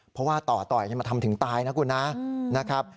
เพราะว่าต่อต่อยมาทำถึงตายนะคุณนะนะครับ